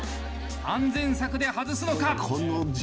安全策で外すのか？